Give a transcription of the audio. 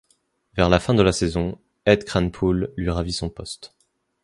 Vers la fin de la saison, Ed Kranepool lui ravit son poste.